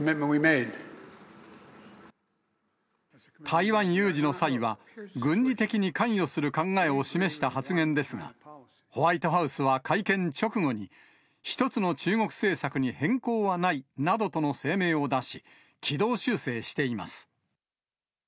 台湾有事の際は、軍事的に関与する考えを示した発言ですが、ホワイトハウスは会見直後に、一つの中国政策に変更はないなどとの声明を出し、軌道修正しています。